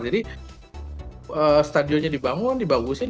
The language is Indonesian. jadi stadionnya dibangun dibagusin